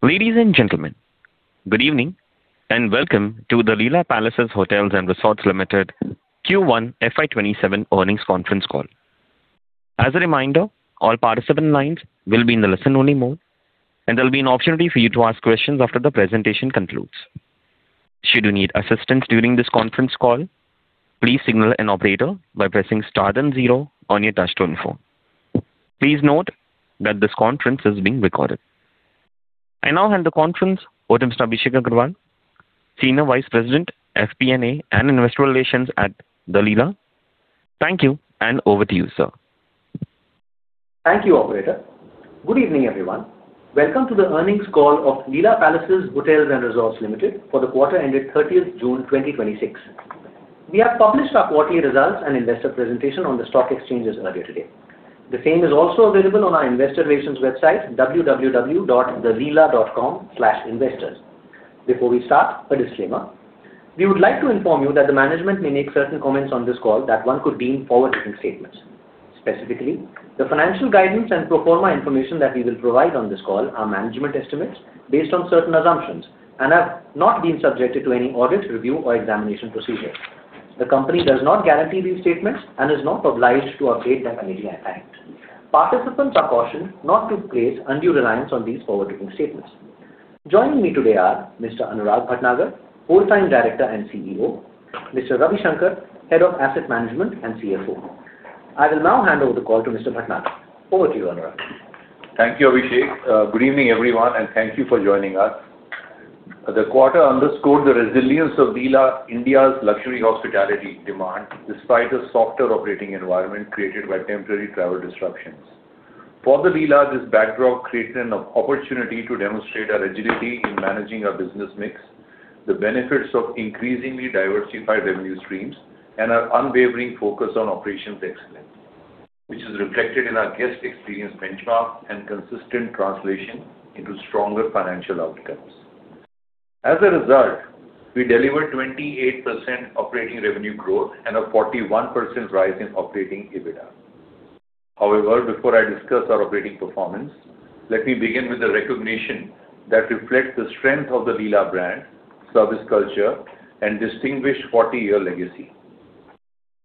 Ladies and gentlemen, good evening and welcome to the Leela Palaces Hotels & Resorts Limited Q1 FY 2027 earnings conference call. As a reminder, all participant lines will be in the listen-only mode, and there will be an opportunity for you to ask questions after the presentation concludes. Should you need assistance during this conference call, please signal an operator by pressing star then zero on your touch-tone phone. Please note that this conference is being recorded. I now hand the conference over to Mr Abhishek Agarwal, Senior Vice President, FP&A, and Investor Relations at The Leela. Thank you, and over to you, sir. Thank you, operator. Good evening, everyone. Welcome to the earnings call of Leela Palaces Hotels & Resorts Limited for the quarter ended 30th June 2026. We have published our quarterly results and investor presentation on the stock exchanges earlier today. The same is also available on our investor relations website, www.theleela.com/investors. Before we start, a disclaimer. We would like to inform you that the management may make certain comments on this call that one could deem forward-looking statements. Specifically, the financial guidance and pro forma information that we will provide on this call are management estimates based on certain assumptions and have not been subjected to any audit, review, or examination procedure. The company does not guarantee these statements and is not obliged to update them anytime. Participants are cautioned not to place undue reliance on these forward-looking statements. Joining me today are Mr Anuraag Bhatnagar, Whole-time Director and CEO, Mr Ravi Shankar, Head of Asset Management and CFO. I will now hand over the call to Mr Bhatnagar. Over to you, Anuraag. Thank you, Abhishek. Good evening, everyone, and thank you for joining us. The quarter underscored the resilience of The Leela, India's luxury hospitality demand, despite the softer operating environment created by temporary travel disruptions. For The Leela, this backdrop created an opportunity to demonstrate our agility in managing our business mix, the benefits of increasingly diversified revenue streams, and our unwavering focus on operations excellence, which is reflected in our guest experience benchmark and consistent translation into stronger financial outcomes. As a result, we delivered 28% operating revenue growth and a 41% rise in operating EBITDA. Before I discuss our operating performance, let me begin with a recognition that reflects the strength of The Leela brand, service culture, and distinguished 40-year legacy.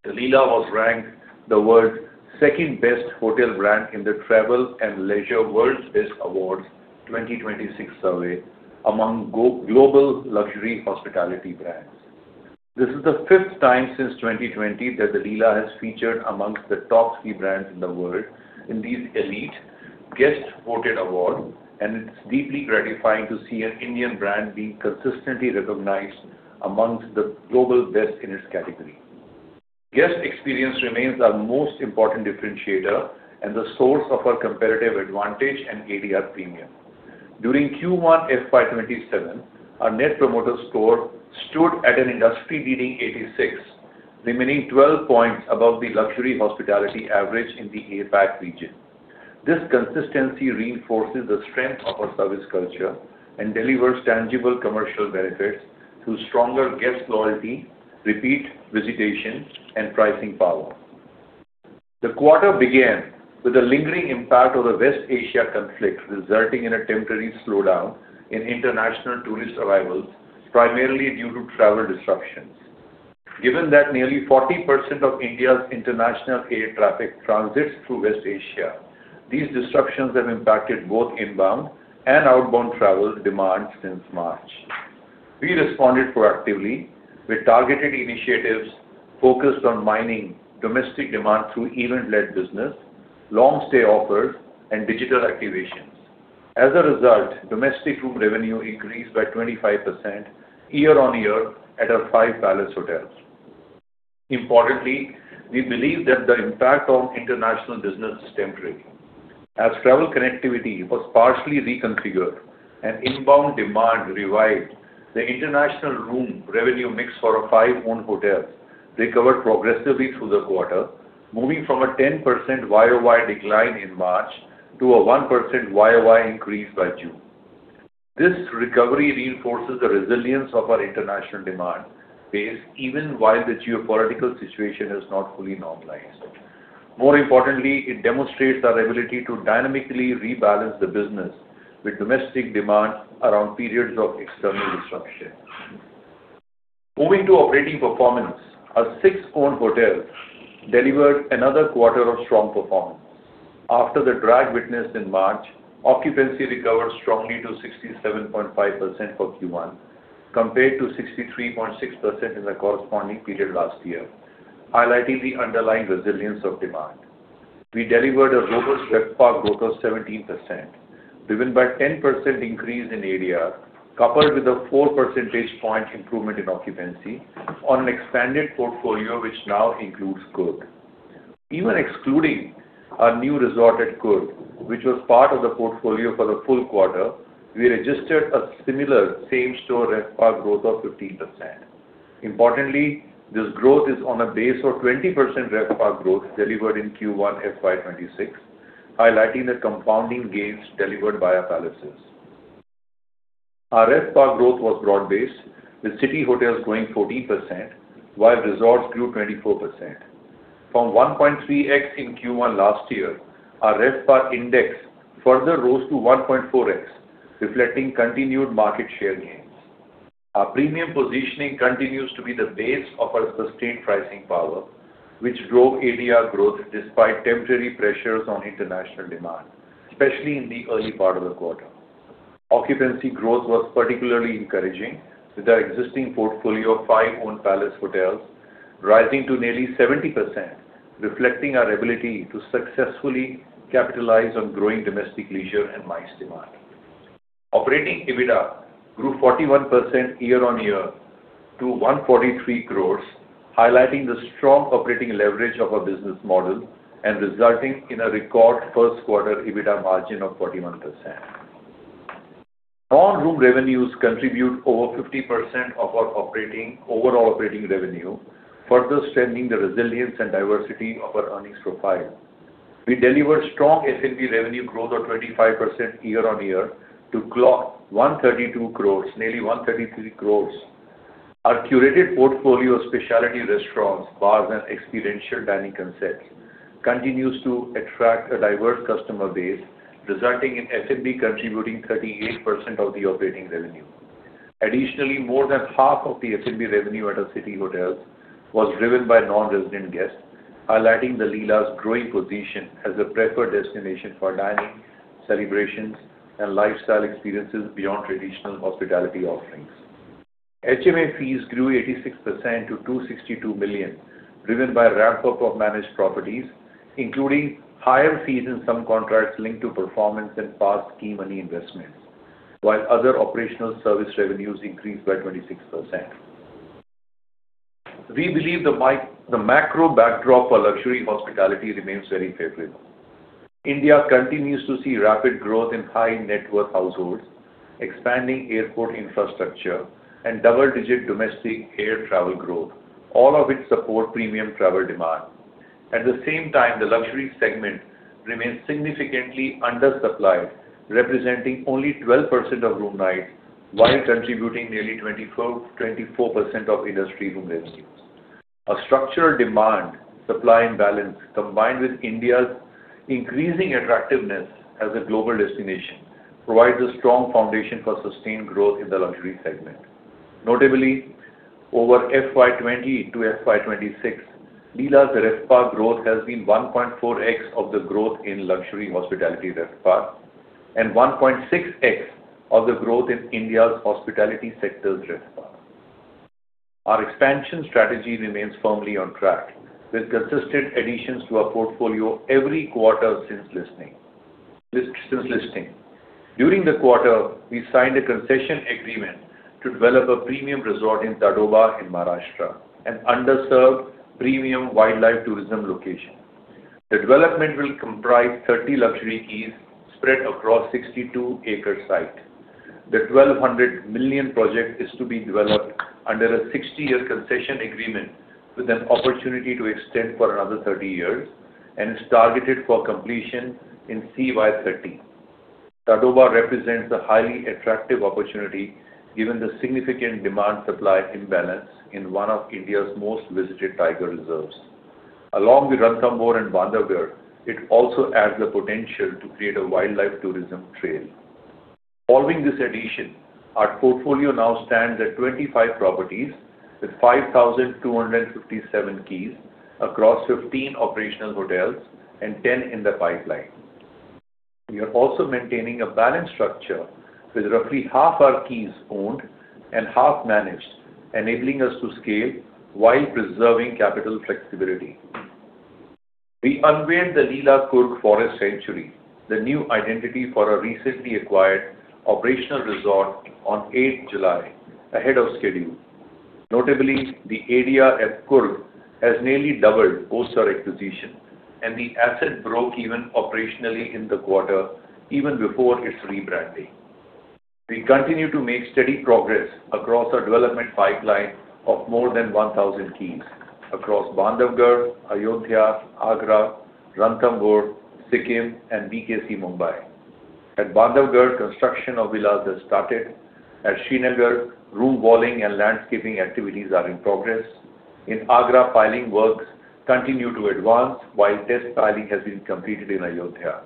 The Leela was ranked the world's second-best hotel brand in the Travel + Leisure World's Best Awards 2026 survey among global luxury hospitality brands. This is the fifth time since 2020 that The Leela has featured amongst the top three brands in the world in these elite guest-voted awards, and it's deeply gratifying to see an Indian brand being consistently recognized amongst the global best in its category. Guest experience remains our most important differentiator and the source of our competitive advantage and ADR premium. During Q1 FY 2027, our Net Promoter Score stood at an industry-leading 86, remaining 12 points above the luxury hospitality average in the APAC region. This consistency reinforces the strength of our service culture and delivers tangible commercial benefits through stronger guest loyalty, repeat visitation, and pricing power. The quarter began with the lingering impact of the West Asia conflict, resulting in a temporary slowdown in international tourist arrivals, primarily due to travel disruptions. Given that nearly 40% of India's international air traffic transits through West Asia, these disruptions have impacted both inbound and outbound travel demand since March. We responded proactively with targeted initiatives focused on mining domestic demand through event-led business, long-stay offers, and digital activations. As a result, domestic room revenue increased by 25% year-on-year at our five Palace hotels. Importantly, we believe that the impact on international business is temporary. As travel connectivity was partially reconfigured and inbound demand revived, the international room revenue mix for our five owned hotels recovered progressively through the quarter, moving from a 10% year-on-year decline in March to a 1% year-on-year increase by June. This recovery reinforces the resilience of our international demand base, even while the geopolitical situation has not fully normalized. More importantly, it demonstrates our ability to dynamically rebalance the business with domestic demand around periods of external disruption. Moving to operating performance, our six owned hotels delivered another quarter of strong performance. After the drag witnessed in March, occupancy recovered strongly to 67.5% for Q1 compared to 63.6% in the corresponding period last year, highlighting the underlying resilience of demand. We delivered a robust RevPAR growth of 17%, driven by 10% increase in ADR coupled with a four percentage point improvement in occupancy on an expanded portfolio, which now includes Coorg. Even excluding our new resort at Coorg, which was part of the portfolio for the full quarter, we registered a similar same-store RevPAR growth of 15%. Importantly, this growth is on a base of 20% RevPAR growth delivered in Q1 FY 2026, highlighting the compounding gains delivered by our Palaces. Our RevPAR growth was broad-based, with city hotels growing 14%, while resorts grew 24%. From 1.3x in Q1 last year, our RevPAR index further rose to 1.4x, reflecting continued market share gains. Our premium positioning continues to be the base of our sustained pricing power, which drove ADR growth despite temporary pressures on international demand, especially in the early part of the quarter. Occupancy growth was particularly encouraging, with our existing portfolio of five owned Palace hotels rising to nearly 70%, reflecting our ability to successfully capitalize on growing domestic leisure and MICE demand. Operating EBITDA grew 41% year-on-year to 143 crore, highlighting the strong operating leverage of our business model and resulting in a record first quarter EBITDA margin of 41%. Non-room revenues contribute over 50% of our overall operating revenue, further strengthening the resilience and diversity of our earnings profile. We delivered strong F&B revenue growth of 25% year-on-year to clock 132 crore, nearly 133 crore. Our curated portfolio of specialty restaurants, bars, and experiential dining concepts continues to attract a diverse customer base, resulting in F&B contributing 38% of the operating revenue. Additionally, more than half of the F&B revenue at our city hotels was driven by non-resident guests, highlighting The Leela's growing position as a preferred destination for dining, celebrations, and lifestyle experiences beyond traditional hospitality offerings. HMA fees grew 86% to 262 million, driven by a ramp-up of managed properties, including higher fees in some contracts linked to performance and past key money investments, while other operational service revenues increased by 26%. We believe the macro backdrop for luxury hospitality remains very favorable. India continues to see rapid growth in high-net-worth households, expanding airport infrastructure, and double-digit domestic air travel growth, all of which support premium travel demand. At the same time, the luxury segment remains significantly undersupplied, representing only 12% of room nights while contributing nearly 24% of industry room revenues. A structural demand-supply imbalance, combined with India's increasing attractiveness as a global destination, provides a strong foundation for sustained growth in the luxury segment. Notably, over FY 2020-FY 2026, Leela's RevPAR growth has been 1.4x of the growth in luxury hospitality RevPAR and 1.6x of the growth in India's hospitality sector's RevPAR. Our expansion strategy remains firmly on track, with consistent additions to our portfolio every quarter since listing. During the quarter, we signed a concession agreement to develop a premium resort in Tadoba in Maharashtra, an underserved premium wildlife tourism location. The development will comprise 30 luxury keys spread across a 62-acre site. The 1,200 million project is to be developed under a 60-year concession agreement with an opportunity to extend for another 30 years and is targeted for completion in CY 2030. Tadoba represents a highly attractive opportunity given the significant demand-supply imbalance in one of India's most visited tiger reserves. Along with Ranthambore and Bandhavgarh, it also adds the potential to create a wildlife tourism trail. Following this addition, our portfolio now stands at 25 properties with 5,257 keys across 15 operational hotels and 10 in the pipeline. We are also maintaining a balanced structure with roughly half our keys owned and half managed, enabling us to scale while preserving capital flexibility. We unveiled The Leela Coorg Forest Sanctuary, the new identity for our recently acquired operational resort on eighth July, ahead of schedule. Notably, the ADR at Coorg has nearly doubled post our acquisition, and the asset broke even operationally in the quarter, even before its rebranding. We continue to make steady progress across our development pipeline of more than 1,000 keys across Bandhavgarh, Ayodhya, Agra, Ranthambore, Sikkim, and BKC Mumbai. At Bandhavgarh, construction of villas has started. At Srinagar, room walling and landscaping activities are in progress. In Agra, piling works continue to advance, while test piling has been completed in Ayodhya.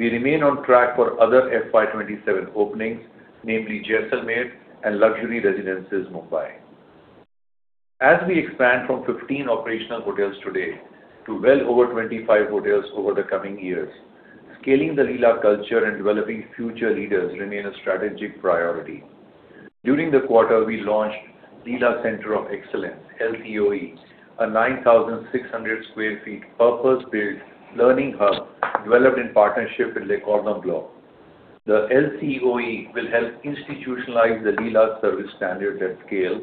We remain on track for other FY 2027 openings, namely Jaisalmer and Luxury Residences Mumbai. As we expand from 15 operational hotels today to well over 25 hotels over the coming years, scaling The Leela culture and developing future leaders remain a strategic priority. During the quarter, we launched Leela Centre of Excellence, LCOE, a 9,600 sq ft purpose-built learning hub developed in partnership with Le Cordon Bleu. The LCOE will help institutionalize the Leela service standard at scale,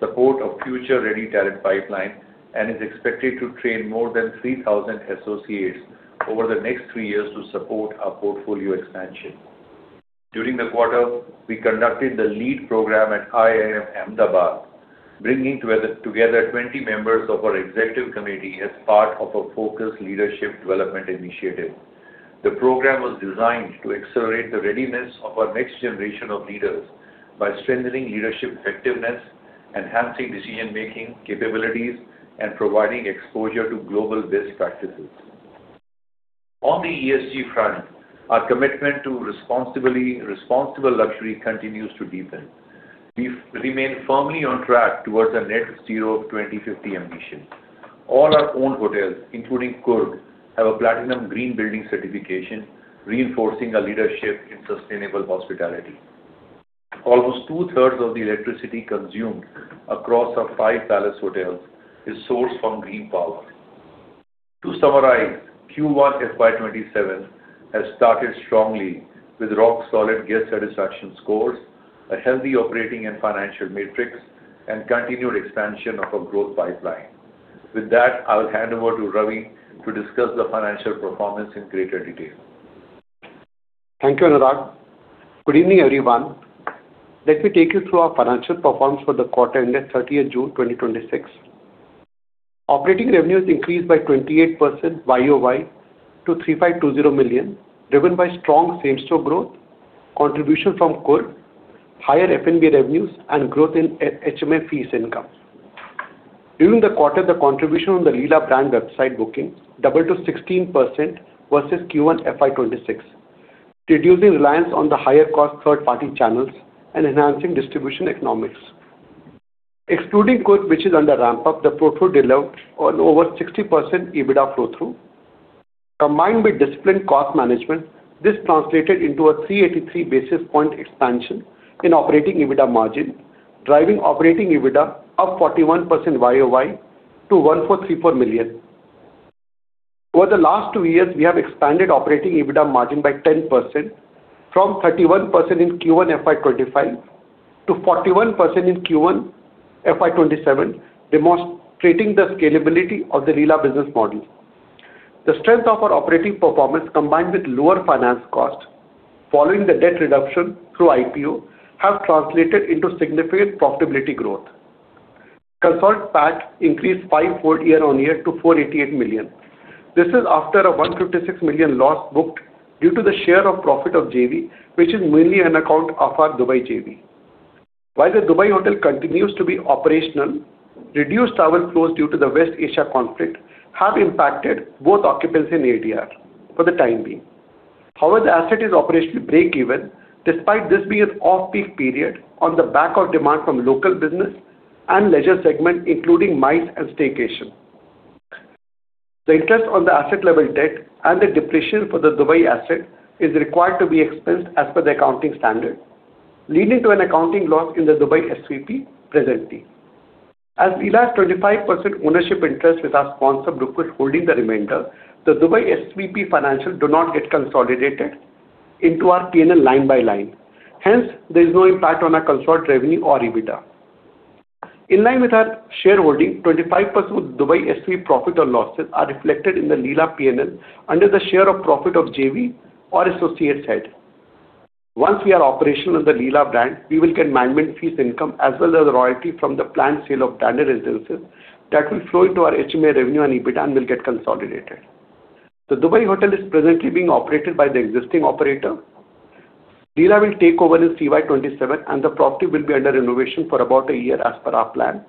support a future-ready talent pipeline, and is expected to train more than 3,000 associates over the next three years to support our portfolio expansion. During the quarter, we conducted the LEAD program at Indian Institute of Management Ahmedabad, bringing together 20 members of our executive committee as part of a focused leadership development initiative. The program was designed to accelerate the readiness of our next generation of leaders by strengthening leadership effectiveness, enhancing decision-making capabilities, and providing exposure to global best practices. On the ESG front, our commitment to responsible luxury continues to deepen. We remain firmly on track towards a net zero 2050 ambition. All our owned hotels, including Coorg, have a platinum green building certification, reinforcing a leadership in sustainable hospitality. Almost two-thirds of the electricity consumed across our five Palace hotels is sourced from green power. To summarize, Q1 FY 2027 has started strongly with rock-solid guest satisfaction scores, a healthy operating and financial matrix, and continued expansion of our growth pipeline. With that, I'll hand over to Ravi to discuss the financial performance in greater detail. Thank you, Anuraag. Good evening, everyone. Let me take you through our financial performance for the quarter ended June 30, 2026. Operating revenues increased by 28% year-over-year to 3,520 million, driven by strong same-store growth, contribution from Coorg, higher F&B revenues, and growth in HMA fees income. During the quarter, the contribution on the Leela brand website booking doubled to 16% versus Q1 FY 2026, reducing reliance on the higher-cost third-party channels and enhancing distribution economics. Excluding Coorg, which is under ramp-up, the portfolio delivered on over 60% EBITDA flow through. Combined with disciplined cost management, this translated into a 383 basis point expansion in operating EBITDA margin, driving operating EBITDA up 41% year-over-year to 1,434 million. Over the last two years, we have expanded operating EBITDA margin by 10%, from 31% in Q1 FY 2025 to 41% in Q1 FY 2027, demonstrating the scalability of the Leela business model. The strength of our operating performance, combined with lower finance costs following the debt reduction through IPO, have translated into significant profitability growth. Consolidated PAT increased five-fold year-on-year to 488 million. This is after a 156 million loss booked due to the share of profit of JV, which is mainly on account of our Dubai JV. While the Dubai hotel continues to be operational, reduced travel flows due to the West Asia conflict have impacted both occupancy and ADR for the time being. However, the asset is operationally break even, despite this being an off-peak period, on the back of demand from local business and leisure segment, including MICE and staycation. The interest on the asset level debt and the depreciation for the Dubai asset is required to be expensed as per the accounting standard, leading to an accounting loss in the Dubai SPV presently. As Leela has 25% ownership interest with our sponsor group holding the remainder, the Dubai SPV financials do not get consolidated into our P&L line by line. Hence, there is no impact on our consult revenue or EBITDA. In line with our shareholding, 25% of Dubai SPV profit or losses are reflected in the Leela P&L under the share of profit of JV or associates head. Once we are operational as a Leela brand, we will get management fees income as well as royalty from the planned sale of branded residences that will flow into our HMA revenue and EBITDA and will get consolidated. The Dubai hotel is presently being operated by the existing operator. Leela will take over in CY 2027, and the property will be under renovation for about a year as per our plan.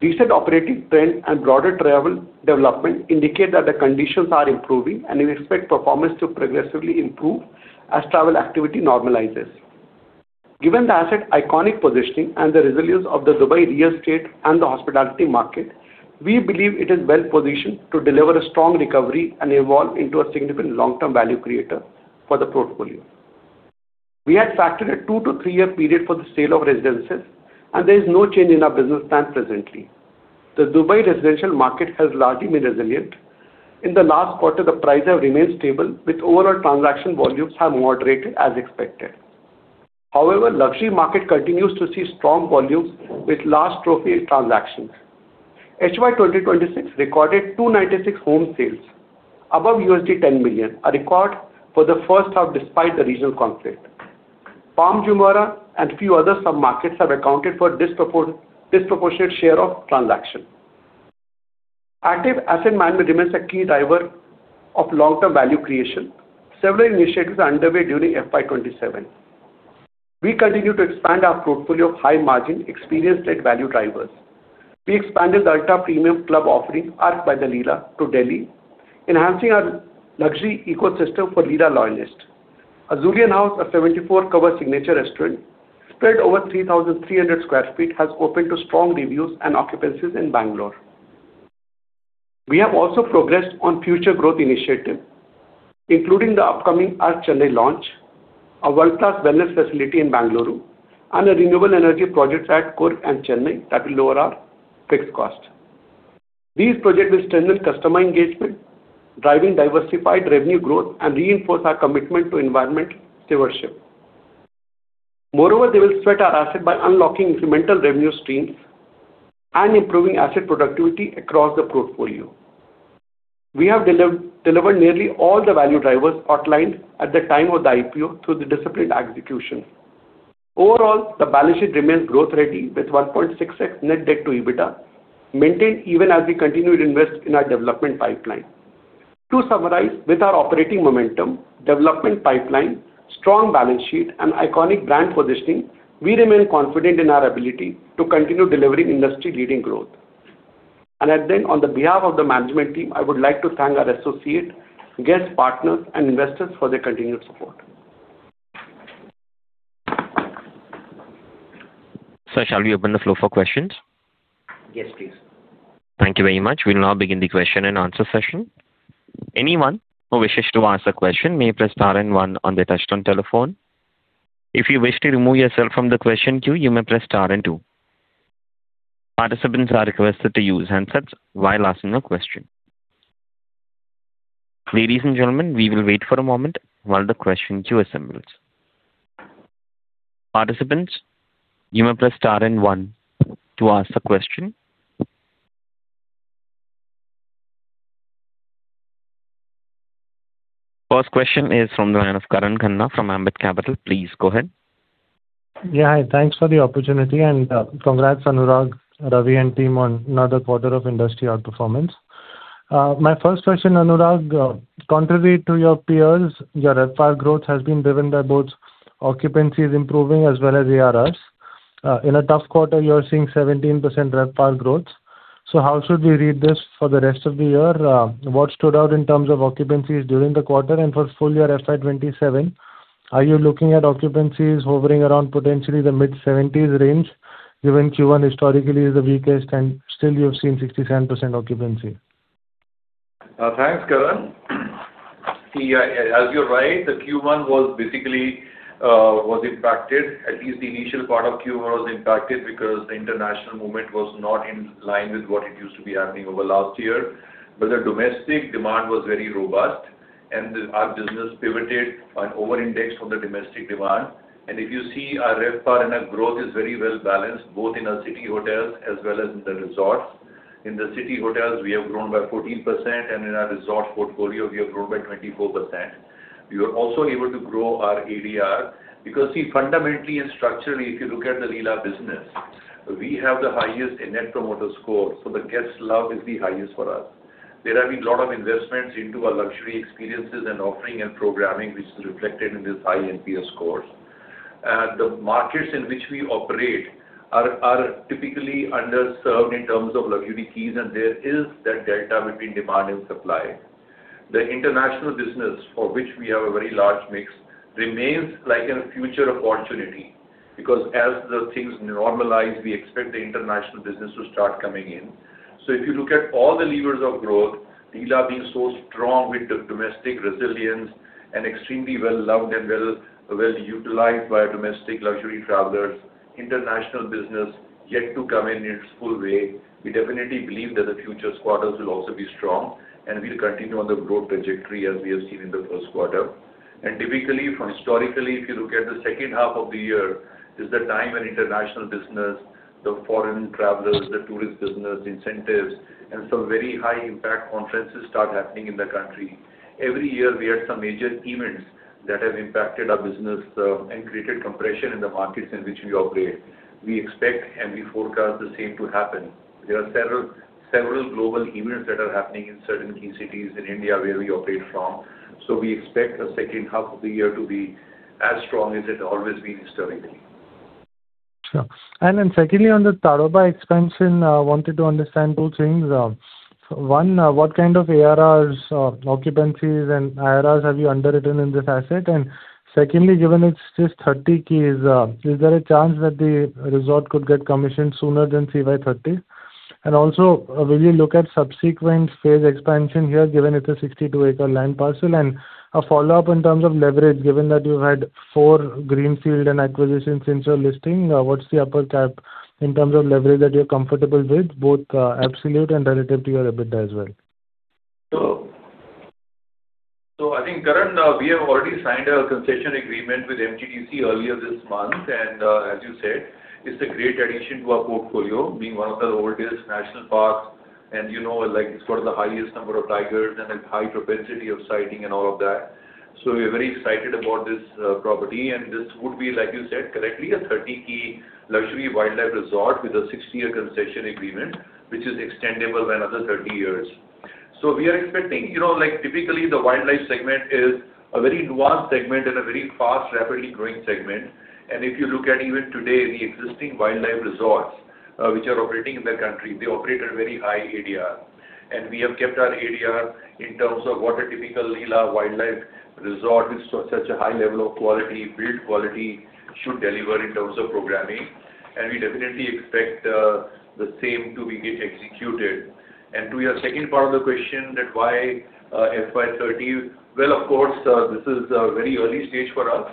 Recent operating trends and broader travel development indicate that the conditions are improving, and we expect performance to progressively improve as travel activity normalizes. Given the asset iconic positioning and the resilience of the Dubai real estate and the hospitality market, we believe it is well-positioned to deliver a strong recovery and evolve into a significant long-term value creator for the portfolio. We had factored a two-to-three year period for the sale of residences, and there is no change in our business plan presently. The Dubai residential market has largely been resilient. In the last quarter, the prices have remained stable with overall transaction volumes have moderated as expected. However, luxury market continues to see strong volumes with large trophy transactions. FY 2026 recorded 296 home sales above $10 million, a record for the first half despite the regional conflict. Palm Jumeirah and a few other sub-markets have accounted for a disproportionate share of transaction. Active asset management remains a key driver of long-term value creation. Several initiatives are underway during FY 2027. We continue to expand our portfolio of high-margin experience net value drivers. We expanded the ultra-premium club offering, ARQ by The Leela, to Delhi, enhancing our luxury ecosystem for Leela loyalists. The Azulian House, a 74-cover signature restaurant spread over 3,300 sq ft, has opened to strong reviews and occupancies in Bengaluru. We have also progressed on future growth initiatives, including the upcoming ARQ Chennai launch, a world-class wellness facility in Bengaluru, and a renewable energy project at Coorg and Chennai that will lower our fixed costs. These projects will strengthen customer engagement, driving diversified revenue growth, and reinforce our commitment to environmental stewardship. Moreover, they will sweat our asset by unlocking incremental revenue streams and improving asset productivity across the portfolio. We have delivered nearly all the value drivers outlined at the time of the IPO through the disciplined execution. Overall, the balance sheet remains growth-ready with 1.6x net debt to EBITDA, maintained even as we continue to invest in our development pipeline. To summarize, with our operating momentum, development pipeline, strong balance sheet, and iconic brand positioning, we remain confident in our ability to continue delivering industry-leading growth. On the behalf of the management team, I would like to thank our associates, guest partners, and investors for their continued support. Sir, shall we open the floor for questions? Yes, please. Thank you very much. We will now begin the question and answer session. Anyone who wishes to ask a question may press star and one on their touchtone telephone. If you wish to remove yourself from the question queue, you may press star and two. Participants are requested to use handsets while asking a question. Ladies and gentlemen, we will wait for a moment while the question queue assembles. Participants, you may press star and one to ask the question. First question is from the line of Karan Khanna from Ambit Capital. Please go ahead. Yeah. Hi. Thanks for the opportunity, and congrats, Anuraag, Ravi, and team on another quarter of industry outperformance. My first question, Anuraag, contrary to your peers, your RevPAR growth has been driven by both occupancies improving as well as ADRs. In a tough quarter, you are seeing 17% RevPAR growth. How should we read this for the rest of the year? What stood out in terms of occupancies during the quarter and for full year FY 2027? Are you looking at occupancies hovering around potentially the mid-70s range? Given Q1 historically is the weakest, and still you have seen 67% occupancy. Thanks, Karan. As you're right, the Q1 basically was impacted, at least the initial part of Q1 was impacted because the international movement was not in line with what it used to be happening over last year. The domestic demand was very robust, and our business pivoted and over-indexed on the domestic demand. If you see our RevPAR and our growth is very well-balanced, both in our city hotels as well as in the resorts. In the city hotels, we have grown by 14%, and in our resort portfolio, we have grown by 24%. We were also able to grow our ADR because fundamentally and structurally, if you look at the Leela business, we have the highest Net Promoter Score. The guest love is the highest for us. There have been a lot of investments into our luxury experiences and offering and programming, which is reflected in these high NPS scores. The markets in which we operate are typically underserved in terms of luxury keys, and there is that delta between demand and supply. The international business for which we have a very large mix remains like a future opportunity, because as the things normalize, we expect the international business to start coming in. If you look at all the levers of growth, Leela being so strong with domestic resilience and extremely well-loved and well-utilized by domestic luxury travelers, international business yet to come in its full way, we definitely believe that the future quarters will also be strong, and we'll continue on the growth trajectory as we have seen in the first quarter. Typically from historically, if you look at the second half of the year, is the time when international business, the foreign travelers, the tourist business, incentives, and some very high impact conferences start happening in the country. Every year, we had some major events that have impacted our business and created compression in the markets in which we operate. We expect and we forecast the same to happen. There are several global events that are happening in certain key cities in India where we operate from. We expect the second half of the year to be as strong as it always been historically. Sure. Secondly, on the Tadoba expansion, I wanted to understand two things. One, what kind of ADRs, occupancies, and IRRs have you underwritten in this asset? Secondly, given it's just 30 keys, is there a chance that the resort could get commissioned sooner than CY 2030? Also, will you look at subsequent phase expansion here given it's a 62-acre land parcel? A follow-up in terms of leverage, given that you've had four greenfield and acquisitions since your listing, what's the upper cap in terms of leverage that you're comfortable with, both absolute and relative to your EBITDA as well? I think, Karan, we have already signed a concession agreement with MQDC earlier this month. As you said, it's a great addition to our portfolio, being one of the oldest national parks, and it's got the highest number of tigers and a high propensity of sighting and all of that. We are very excited about this property, and this would be, like you said correctly, a 30-key luxury wildlife resort with a 60-year concession agreement, which is extendable another 30 years. We are expecting typically the wildlife segment is a very nuanced segment and a very fast, rapidly growing segment. If you look at even today, the existing wildlife resorts which are operating in the country, they operate at a very high ADR. We have kept our ADR in terms of what a typical Leela wildlife resort with such a high level of quality, build quality should deliver in terms of programming. We definitely expect the same to be get executed. To your second part of the question that why FY 2030? Of course, this is a very early stage for us.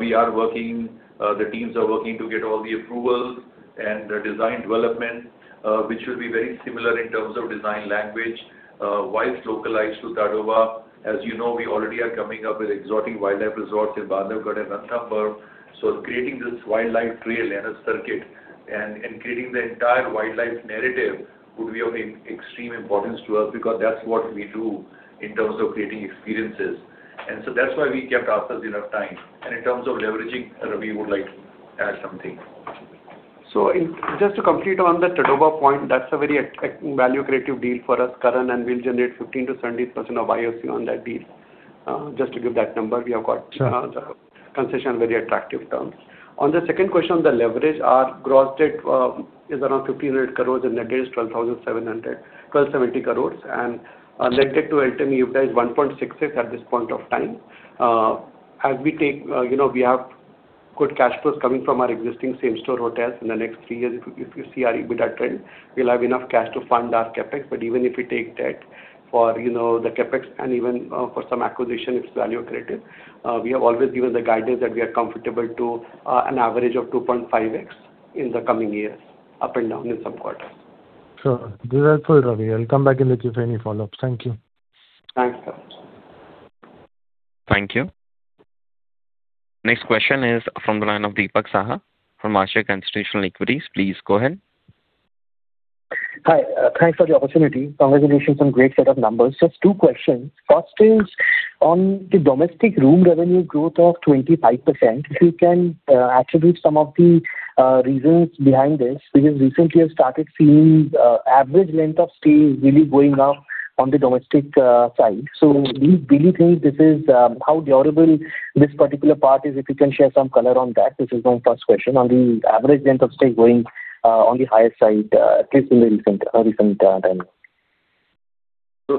We are working, the teams are working to get all the approvals and the design development, which will be very similar in terms of design language, whilst localized to Tadoba. As you know, we already are coming up with exotic wildlife resorts in Bandhavgarh and Ranthambore. Creating this wildlife trail and a circuit and creating the entire wildlife narrative would be of extreme importance to us because that's what we do in terms of creating experiences. That's why we kept ourselves enough time. In terms of leveraging, Ravi would like to add something. Just to complete on the Tadoba point, that's a very value creative deal for us, Karan, and we'll generate 15%-17% of IRR on that deal. Just to give that number. Sure Concession, very attractive terms. On the second question on the leverage, our gross debt is around 1,500 crores, and the net is 1,270 crores. Net debt to LTM EBITDA is 1.66 at this point of time. We have good cash flows coming from our existing same store hotels in the next three years. If you see our EBITDA trend, we'll have enough cash to fund our CapEx, but even if we take debt for the CapEx and even for some acquisition, it's value creative. We have always given the guidance that we are comfortable to an average of 2.5x in the coming years, up and down in some quarters. Sure. This is helpful, Ravi. I'll come back in with you if any follow-ups. Thank you. Thanks, Karan. Thank you. Next question is from the line of Deepak Saha from Ashika Institutional Equities. Please go ahead. Hi. Thanks for the opportunity. Congratulations on great set of numbers. Just two questions. First is on the domestic room revenue growth of 25%, if you can attribute some of the reasons behind this, because recently I've started seeing average length of stay really going up on the domestic side. Do you really think this is how durable this particular part is? If you can share some color on that. This is my first question on the average length of stay going on the higher side, at least in the recent time.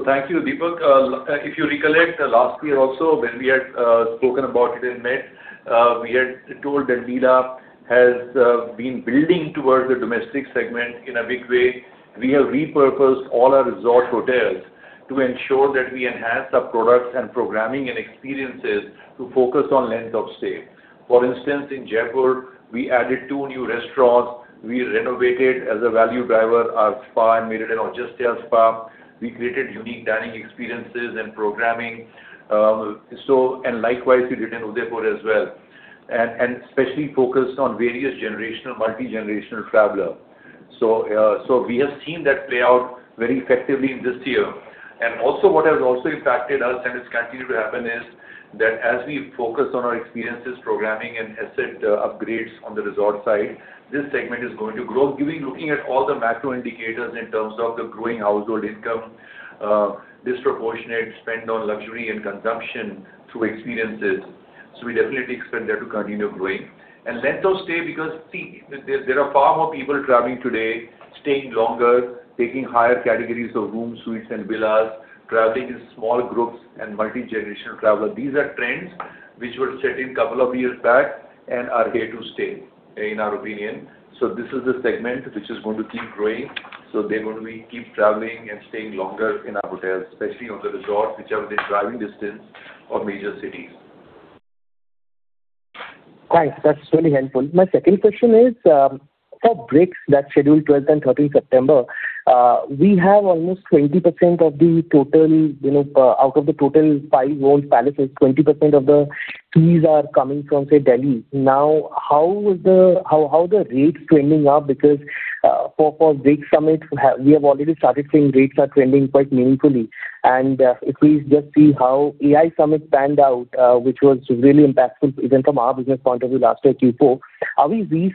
Thank you, Deepak. If you recollect, last year also when we had spoken about it in May, we had told that Leela has been building towards the domestic segment in a big way. We have repurposed all our resort hotels to ensure that we enhance the products and programming and experiences to focus on length of stay. For instance, in Jaipur, we added two new restaurants. We renovated as a value driver, our spa, and made it an Aujasya spa. We created unique dining experiences and programming. Likewise, we did in Udaipur as well, and especially focused on various generational, multigenerational traveler. We have seen that play out very effectively in this year. Also what has also impacted us and it's continued to happen is that as we focus on our experiences, programming, and asset upgrades on the resort side, this segment is going to grow. Looking at all the macro indicators in terms of the growing household income, disproportionate spend on luxury and consumption through experiences. We definitely expect that to continue growing. Length of stay because, see, there are far more people traveling today, staying longer, taking higher categories of rooms, suites, and villas, traveling in small groups and multigenerational travel. These are trends which were set in couple of years back and are here to stay, in our opinion. This is a segment which is going to keep growing. They're going to be keep traveling and staying longer in our hotels, especially on the resort, which are within driving distance of major cities. Thanks. That's really helpful. My second question is for BRICS that is scheduled 12th and 13th September, we have almost 20% of the total out of the total five old palaces, 20% of the keys are coming from, say, Delhi. How the rates trending up because for BRICS Summit we have already started seeing rates are trending quite meaningfully and if we just see how AI Summit panned out which was really impactful even from our business point of view last year Q4. Are we really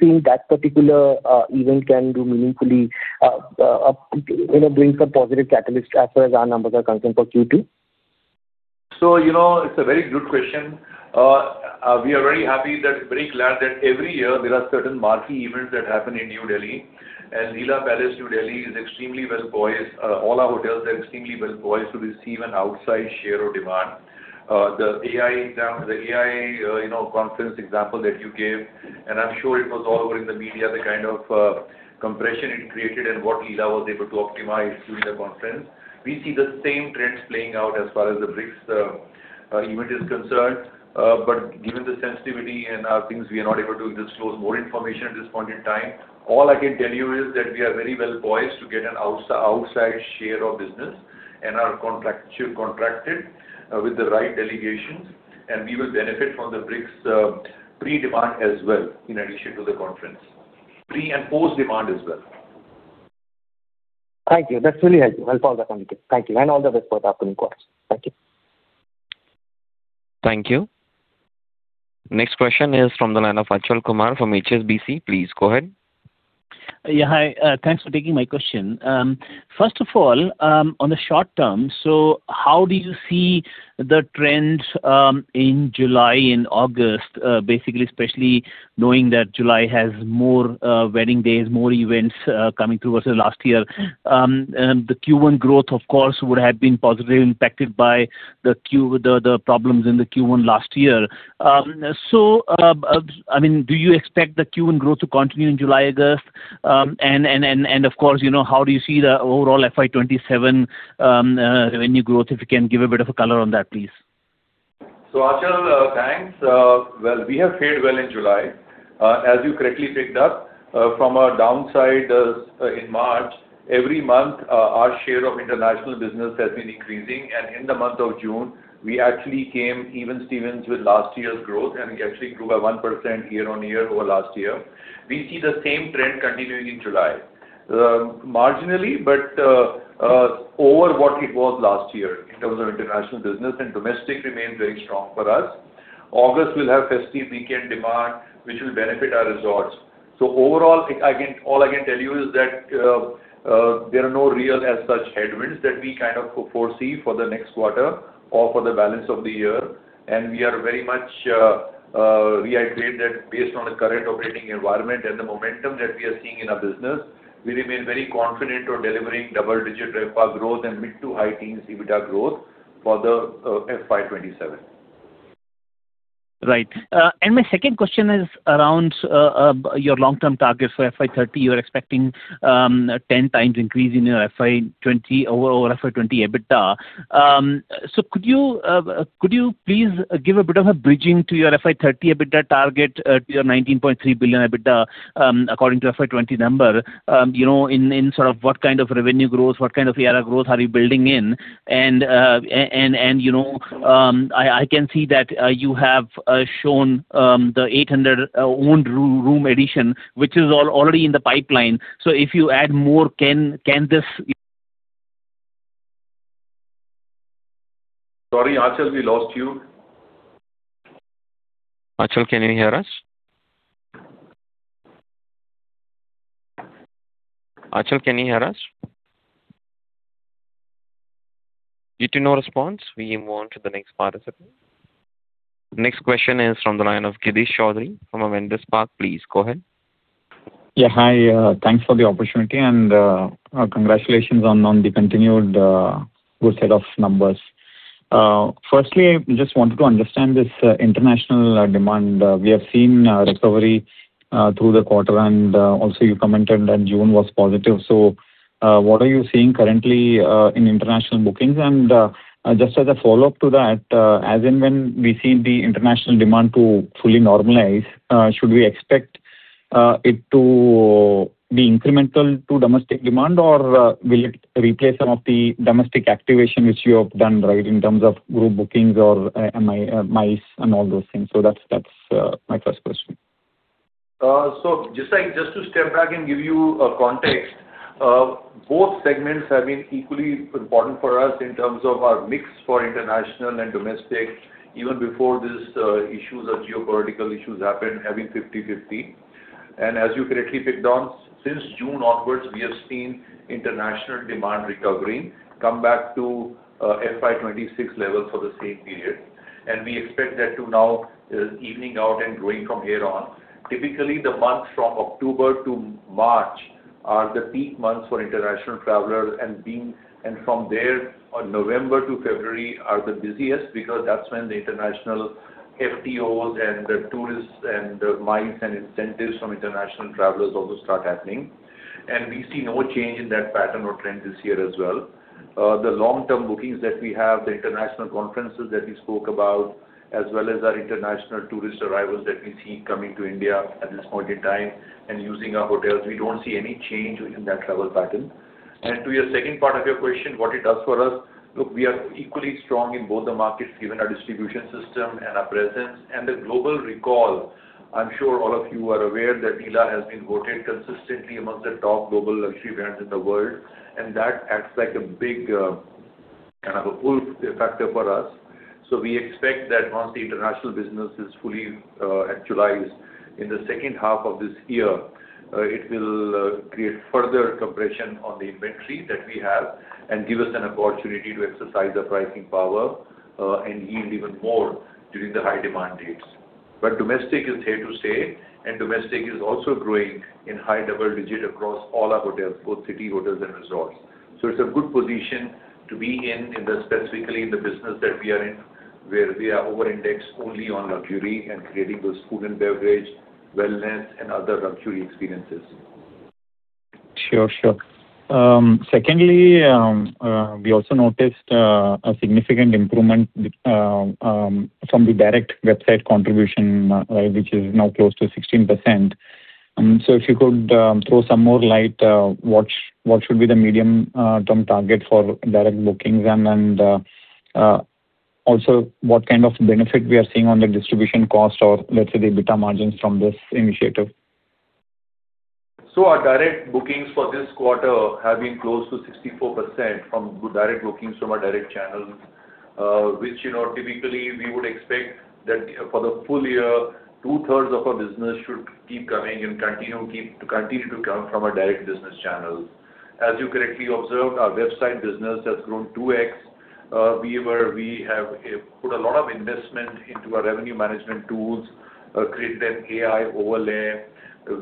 seeing that particular event can do meaningfully bring some positive catalyst as far as our numbers are concerned for Q2? It's a very good question. We are very happy, very glad that every year there are certain marquee events that happen in New Delhi, and The Leela Palace New Delhi is extremely well poised. All our hotels are extremely well poised to receive an outside share of demand. The AI conference example that you gave, and I am sure it was all over in the media, the kind of compression it created and what Leela was able to optimize during the conference. We see the same trends playing out as far as the BRICS event is concerned. Given the sensitivity and how things we are not able to disclose more information at this point in time. All I can tell you is that we are very well poised to get an outside share of business and are contracted with the right delegations, and we will benefit from the BRICS pre-demand as well, in addition to the conference. Pre and post-demand as well. Thank you. That's really helpful. Thank you, and all the best for the upcoming quarters. Thank you. Thank you. Next question is from the line of Achal Kumar from HSBC. Please go ahead. Yeah. Hi. Thanks for taking my question. First of all on the short term, how do you see the trends in July and August basically, especially knowing that July has more wedding days, more events coming through versus last year? The Q1 growth, of course, would have been positively impacted by the problems in the Q1 last year. Do you expect the Q1 growth to continue in July, August? Of course, how do you see the overall FY 2027 revenue growth? If you can give a bit of a color on that, please. Achal, thanks. Well, we have fared well in July. As you correctly picked up from our downside in March, every month our share of international business has been increasing. In the month of June, we actually came even Stevens with last year's growth and actually grew by 1% year-over-year over last year. We see the same trend continuing in July. Marginally, but over what it was last year in terms of international business, domestic remains very strong for us. August will have festive weekend demand, which will benefit our resorts. Overall, all I can tell you is that there are no real as such headwinds that we kind of foresee for the next quarter or for the balance of the year. We are very much reiterated based on the current operating environment and the momentum that we are seeing in our business, we remain very confident on delivering double-digit RevPAR growth and mid to high teens EBITDA growth for the FY 2027. My second question is around your long-term targets for FY 2030. You're expecting 10 times increase in your over FY 2020 EBITDA. Could you please give a bit of a bridging to your FY 2030 EBITDA target to your 19.3 billion EBITDA, according to FY 2020 number? What kind of revenue growth, what kind of ADR growth are you building in? I can see that you have shown the 800 owned room addition, which is already in the pipeline. If you add more, can this- Sorry, Achal, we lost you. Achal, can you hear us? Achal, can you hear us? Due to no response, we move on to the next participant. Next question is from the line of Girish Choudhary from Avendus Spark. Please go ahead. Hi, thanks for the opportunity and congratulations on the continued good set of numbers. Firstly, I just wanted to understand this international demand. We have seen recovery through the quarter and also you commented that June was positive. What are you seeing currently in international bookings? Just as a follow-up to that, as and when we see the international demand to fully normalize, should we expect it to be incremental to domestic demand, or will it replace some of the domestic activation which you have done, right, in terms of group bookings or MICE and all those things? That's my first question. Just to step back and give you a context, both segments have been equally important for us in terms of our mix for international and domestic, even before these geopolitical issues happened, having 50/50. As you correctly picked on, since June onwards, we have seen international demand recovering, come back to FY 2026 levels for the same period. We expect that to now evening out and growing from here on. Typically, the months from October to March are the peak months for international travelers. From there, November to February are the busiest because that's when the international FTOs and the tourists and the MICE and incentives from international travelers also start happening. We see no change in that pattern or trend this year as well. The long-term bookings that we have, the international conferences that we spoke about, as well as our international tourist arrivals that we see coming to India at this point in time and using our hotels, we don't see any change in that travel pattern. To your second part of your question, what it does for us, look, we are equally strong in both the markets, given our distribution system and our presence and the global recall. I'm sure all of you are aware that Leela has been voted consistently amongst the top global luxury brands in the world, and that acts like a big kind of a pull factor for us. We expect that once the international business is fully actualized in the second half of this year, it will create further compression on the inventory that we have and give us an opportunity to exercise the pricing power, and yield even more during the high-demand days. Domestic is here to stay, and domestic is also growing in high double digit across all our hotels, both city hotels and resorts. It's a good position to be in, specifically in the business that we are in, where we are over-indexed only on luxury and creating those food and beverage, wellness, and other luxury experiences. Sure. Secondly, we also noticed a significant improvement from the direct website contribution, which is now close to 16%. If you could throw some more light, what should be the medium-term target for direct bookings? Also what kind of benefit we are seeing on the distribution cost or let's say the EBITDA margins from this initiative? Our direct bookings for this quarter have been close to 64% from direct bookings from our direct channels, which typically we would expect that for the full year, two-thirds of our business should keep coming and continue to come from our direct business channels. As you correctly observed, our website business has grown 2x. We have put a lot of investment into our revenue management tools, created an AI overlay.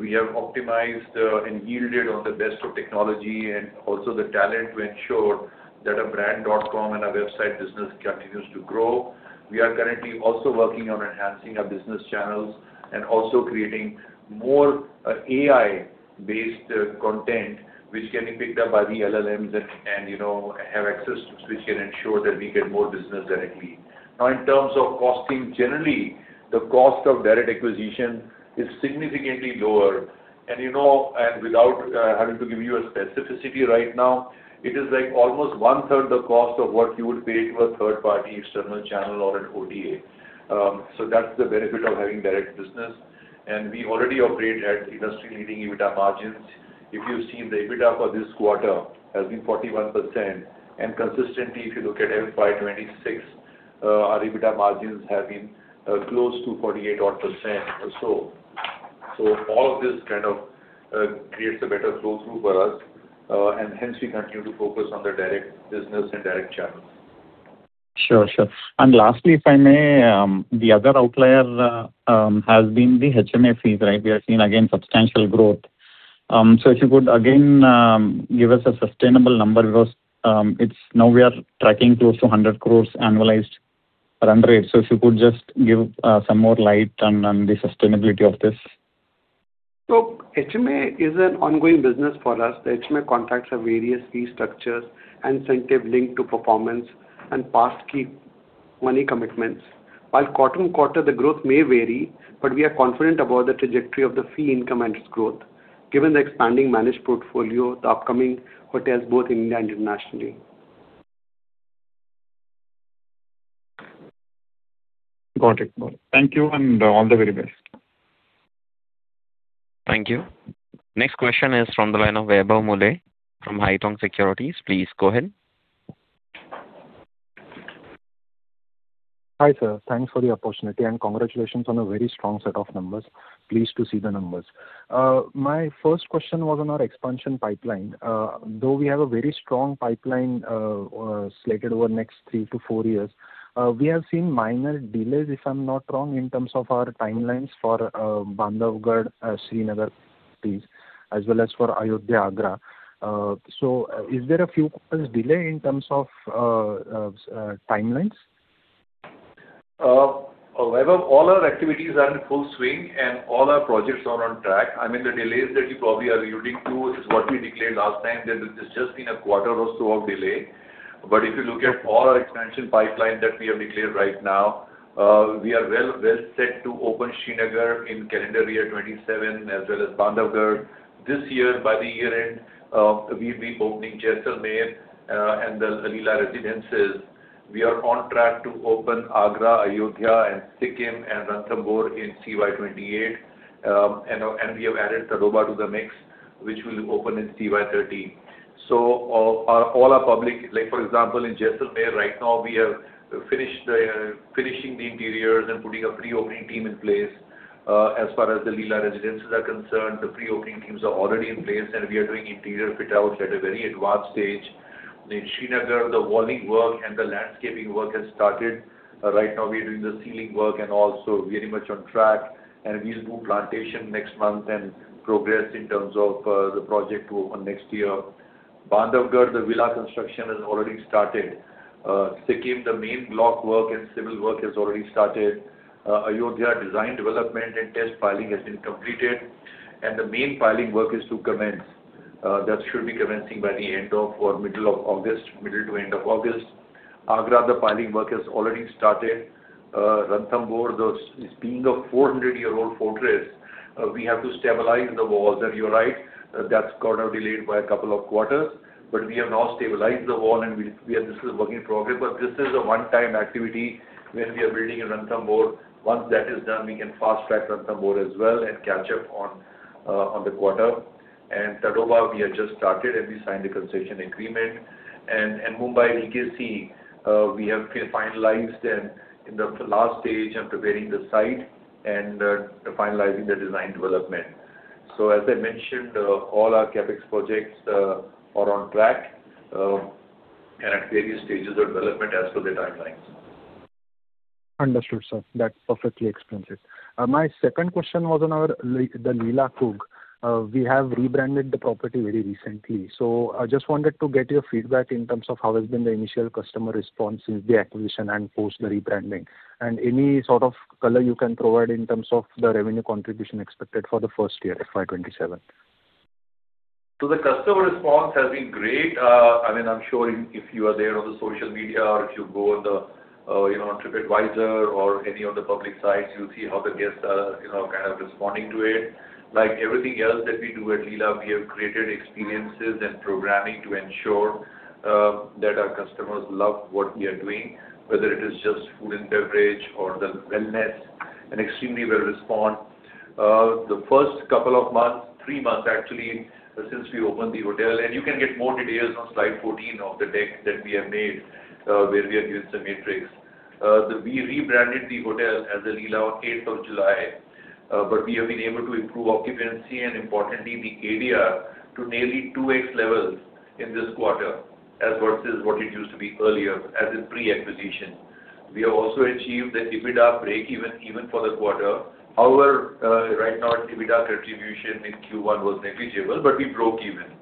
We have optimized and yielded on the best of technology and also the talent to ensure that our brand.com and our website business continues to grow. We are currently also working on enhancing our business channels and also creating more AI-based content which can be picked up by the LLMs and have access, which can ensure that we get more business directly. In terms of costing, generally, the cost of direct acquisition is significantly lower. Without having to give you a specificity right now, it is like almost one-third the cost of what you would pay to a third-party external channel or an OTA. That's the benefit of having direct business. We already operate at industry-leading EBITDA margins. If you've seen the EBITDA for this quarter has been 41%. Consistently, if you look at FY 2026, our EBITDA margins have been close to 48 odd percent or so. All of this creates a better flow through for us, and hence we continue to focus on the direct business and direct channels. Sure. Lastly, if I may, the other outlier has been the HMA fees, right? We are seeing, again, substantial growth. If you could, again, give us a sustainable number, because now we are tracking close to 100 crores annualized run rate. If you could just give some more light on the sustainability of this. HMA is an ongoing business for us. The HMA contracts have various fee structures and incentive linked to performance and past key money commitments. While quarter on quarter the growth may vary, but we are confident about the trajectory of the fee income and its growth, given the expanding managed portfolio, the upcoming hotels, both in India and internationally. Got it. Thank you, and all the very best. Thank you. Next question is from the line of Vaibhav Muley from Haitong Securities. Please go ahead. Hi, sir. Thanks for the opportunity, and congratulations on a very strong set of numbers. Pleased to see the numbers. My first question was on our expansion pipeline. Though we have a very strong pipeline slated over the next three to four years, we have seen minor delays, if I'm not wrong, in terms of our timelines for Bandhavgarh, Srinagar, as well as for Ayodhya, Agra. Is there a few quarters delay in terms of timelines? Vaibhav, all our activities are in full swing, and all our projects are on track. The delays that you probably are alluding to is what we declared last time. That there's just been a quarter or so of delay. If you look at all our expansion pipeline that we have declared right now, we are well set to open Srinagar in calendar year 2027, as well as Bandhavgarh. This year, by the year-end, we will be opening Jaisalmer and The Leela Residences. We are on track to open Agra, Ayodhya, and Sikkim, and Ranthambore in CY 2028. We have added Tadoba to the mix, which will open in CY 2030. All are public. For example, in Jaisalmer right now, we are finishing the interiors and putting a pre-opening team in place. As far as The Leela Residences are concerned, the pre-opening teams are already in place, and we are doing interior fit-outs at a very advanced stage. In Srinagar, the walling work and the landscaping work has started. Right now we are doing the ceiling work and also very much on track, and we will do plantation next month and progress in terms of the project to open next year. Bandhavgarh, the villa construction has already started. Sikkim, the main block work and civil work has already started. Ayodhya design development and test filing has been completed, and the main filing work is to commence. That should be commencing by the end of or middle of August, middle to end of August. Agra, the filing work has already started. Ranthambore, this being a 400-year-old fortress, we have to stabilize the walls. You are right, that has got now delayed by a couple of quarters. We have now stabilized the wall, and this is a work in progress. This is a one-time activity where we are building in Ranthambore. Once that is done, we can fast-track Ranthambore as well and catch up on the quarter. Tadoba, we have just started, and we signed the concession agreement. Mumbai BKC, we have finalized and in the last stage of preparing the site and finalizing the design development. As I mentioned, all our CapEx projects are on track and at various stages of development as per the timelines. Understood, sir. That perfectly explains it. My second question was on The Leela Coorg. We have rebranded the property very recently. I just wanted to get your feedback in terms of how has been the initial customer response since the acquisition and post the rebranding. Any sort of color you can provide in terms of the revenue contribution expected for the first year, FY 2027. The customer response has been great. I am sure if you are there on the social media or if you go on Tripadvisor or any of the public sites, you will see how the guests are responding to it. Like everything else that we do at Leela, we have created experiences and programming to ensure that our customers love what we are doing, whether it is just food and beverage or the wellness, an extremely well response. The first couple of months, three months actually, since we opened the hotel. You can get more details on slide 14 of the deck that we have made, where we have given some metrics. We rebranded the hotel as The Leela on eighth of July. We have been able to improve occupancy and importantly, the ADR to nearly 2x levels in this quarter as versus what it used to be earlier as in pre-acquisition. We have also achieved the EBITDA breakeven even for the quarter. Right now, EBITDA contribution in Q1 was negligible, but we broke even.